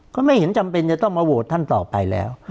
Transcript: ก็ไม่เห็นจำเป็นจะต้องมาโหวตท่านต่อไปแล้ว